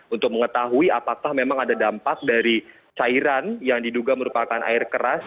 untuk mengetahui apakah memang ada dampak dari cairan yang diduga merupakan air keras